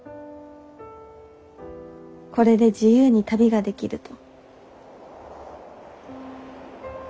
「これで自由に旅ができる」と。